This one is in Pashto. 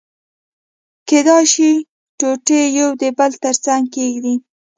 کېدای شي ټوټې يو د بل تر څنګه کېږدي.